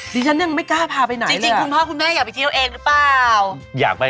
ถึงฉันยังไม่กล้าพาไปไหนเลย